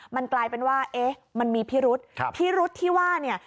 มันกลายเป็นว่าเอ๊ะมันมีพิรุษพิรุษที่ว่าเนี่ย